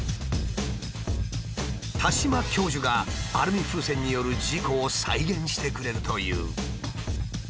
田島教授がアルミ風船による事故を再現してくれるという。